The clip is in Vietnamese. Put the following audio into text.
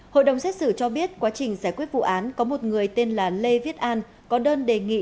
hội đồng xét xử cho biết quá trình giải quyết vụ án có một người tên là lê viết an có đơn đề nghị